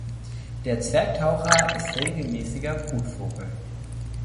Der Zwergtaucher ist regelmäßiger Brutvogel.